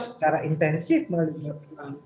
secara intensif menghadapi